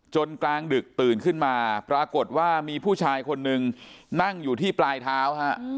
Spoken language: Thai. กลางดึกตื่นขึ้นมาปรากฏว่ามีผู้ชายคนนึงนั่งอยู่ที่ปลายเท้าฮะ